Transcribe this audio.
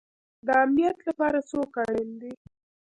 د امنیت لپاره څوک اړین دی؟